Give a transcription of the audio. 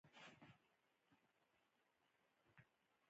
• غونډۍ د سیمې د جغرافیې د ښکلا لپاره مهم رول لري.